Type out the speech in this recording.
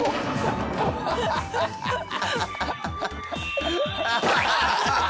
ハハハハ！